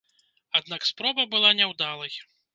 Аднак спроба была няўдалай.